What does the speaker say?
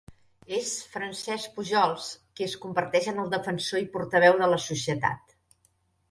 És Francesc Pujols qui es converteix en el defensor i portaveu de la societat.